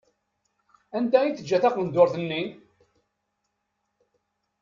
Anda i teǧǧa taqenduṛt-nni?